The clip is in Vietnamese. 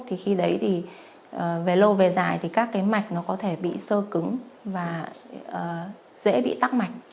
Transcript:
thì khi đấy thì về lâu về dài thì các cái mạch nó có thể bị sơ cứng và dễ bị tắc mạch